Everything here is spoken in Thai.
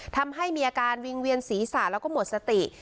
ทำให้มีอาการวิ่งเวียนศีรษะแล้วก็หมดสติ